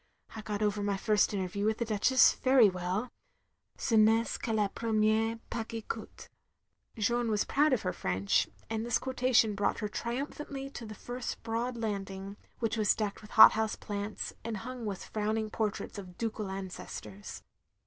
... I got over my first interview with the Duchess very well. *Ce n'est que le premier pas qui coute.*" Jeanne was proud of her French, and this quotation brought her triumphantly to the first broad landing, which was decked with hothouse plants, and hung with frowning portraits of ducal ancestors.